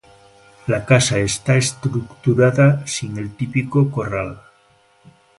La casa está estructurada sin el típico corral.